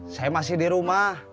saya masih di rumah